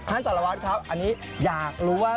ท่านสารวัฒน์ครับอันนี้อยากรู้ว่า